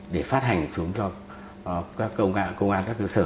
để phát hành xuống cho các công an các cơ sở